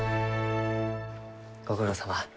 ご苦労さま。